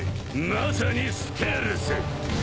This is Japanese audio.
まさにステルス。